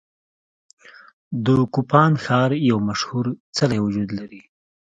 د کوپان ښار یو مشهور څلی وجود لري.